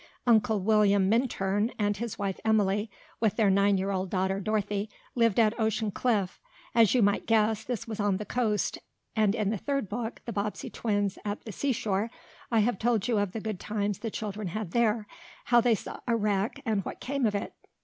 Uncle William Minturn, and his wife Emily, with their nine year old daughter Dorothy, lived at Ocean Cliff. As you might guess, this was on the coast, and in the third book, "The Bobbsey Twins at the Seashore," I have told you of the good times the children had there, how they saw a wreck, and what came of it.